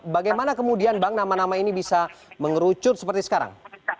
bagaimana kemudian bang nama nama ini bisa mengerucut seperti sekarang